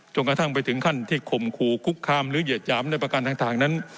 กระทั่งไปถึงขั้นที่ข่มขู่คุกคามหรือเหยียดหยามในประกันต่างนั้น